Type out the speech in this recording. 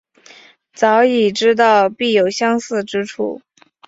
早已知道必有相似之处